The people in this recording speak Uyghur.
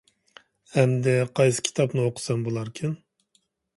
ئەمدى قايسى كىتابنى ئوقۇسام بولاركىن؟